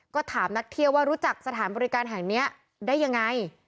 ก็ถามนักเที่ยวว่ารู้จักสถานบริการแห่งนี้ได้ยังไง